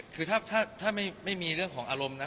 คือถ้าไม่มีเรื่องของอารมณ์นะ